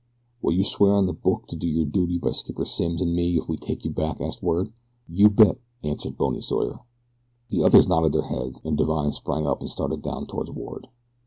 "Will you swear on the Book to do your duty by Skipper Simms an' me if we take you back?" asked Ward. "You bet," answered Bony Sawyer. The others nodded their heads, and Divine sprang up and started down toward Ward.